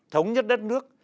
thống nhất đất nước